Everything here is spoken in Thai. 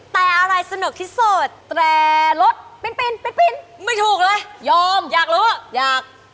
แต่อะไรสนุกที่สุดแต่รถปินไม่ถูกเลยยอมอยากรู้อยาก